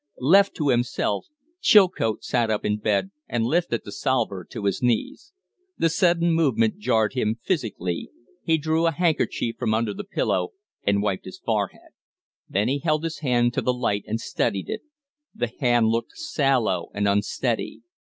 Left to himself, Chilcote sat up in bed and lifted the salver to his knees. The sudden movement jarred him physically; he drew a handkerchief from under the pillow and wiped his forehead; then he held his hand to the light and studied it. The hand looked sallow and unsteady.